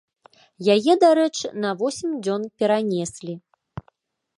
Яе, дарэчы, на восем дзён перанеслі.